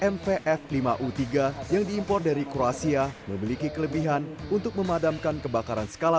mvf lima u tiga yang diimpor dari kroasia memiliki kelebihan untuk memadamkan kebakaran skala